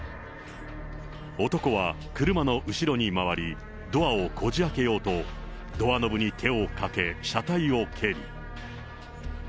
男は車の後ろに回り、ドアをこじあけようと、ドアノブに手をかけ、車体を蹴る。